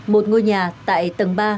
một ngôi nhà tại tầng ba